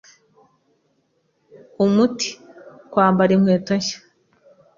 Umuti: kwambara inkweto nshya.